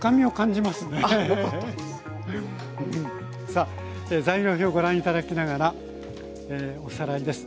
さあ材料表ご覧頂きながらおさらいです。